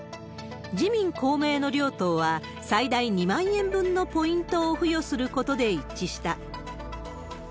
自民、公明の両党は、最大２万円分のポイントを付与することで一致した。